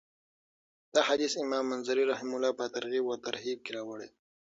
دا حديث امام منذري رحمه الله په الترغيب والترهيب کي راوړی .